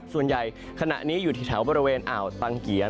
ส่วนใหญ่ขณะนี้อยู่ที่แถวบริเวณอ่าวตังเกียร์